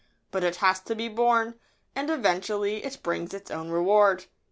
But it has to be borne, and eventually it brings its own reward.